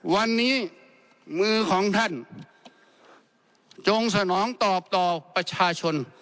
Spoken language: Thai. วันนี้มือของท่านจงสนองตอบต่อประชาชน